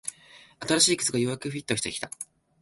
新しい靴がようやくフィットしてきた